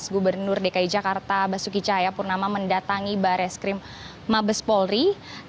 gubernur dki jakarta basuki cahaya purnama mendatangi barreskrim abespori